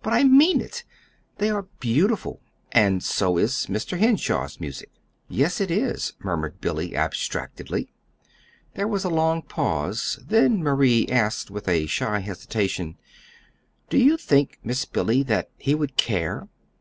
"But I mean it. They are beautiful; and so is Mr. Henshaw's music." "Yes, it is," murmured Billy, abstractedly. There was a long pause, then Marie asked with shy hesitation: "Do you think, Miss Billy that he would care?